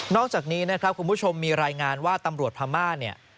นอกจากนี้คุณผู้ชมมีรายงานว่าตำรวจพม่า